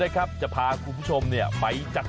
กลับเครื่องเตรียมลง